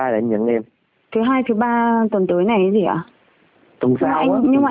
làm nhầm phôi em